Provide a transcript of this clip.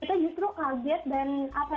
kita justru kaget dan apa